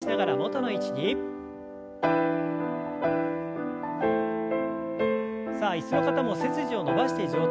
さあ椅子の方も背筋を伸ばして上体を前に倒します。